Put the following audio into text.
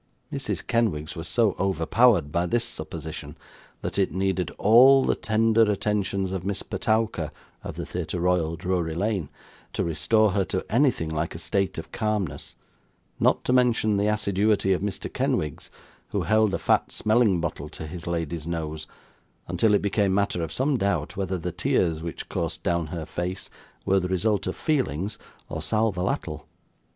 Mrs. Kenwigs was so overpowered by this supposition, that it needed all the tender attentions of Miss Petowker, of the Theatre Royal, Drury Lane, to restore her to anything like a state of calmness; not to mention the assiduity of Mr. Kenwigs, who held a fat smelling bottle to his lady's nose, until it became matter of some doubt whether the tears which coursed down her face were the result of feelings or SAL VOLATILE.